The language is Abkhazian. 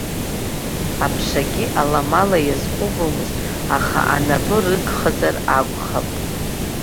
Аԥшагьы аламала иазҟәыбомызт, аха анапы рыгхазар акәхап.